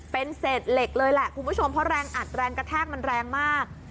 เป็นเศษเหล็กเลยแหละคุณผู้ชมเพราะแรงอัดแรงกระแทกมันแรงมาก